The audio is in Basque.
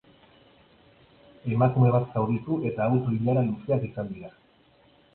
Emakume bat zauritu eta auto-ilara luzeak izan dira.